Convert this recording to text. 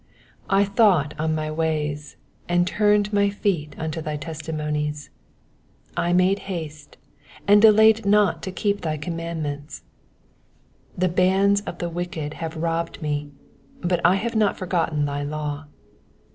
59 I thought on my ways, and turned my feet unto thy testi monies. 60 I made haste, and delayed not to keep thy command ments. 61 The bands of the wicked have robbed me : but I have not forgotten thy law.